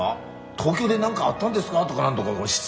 東京で何かあったんですか？」とか何とかしつ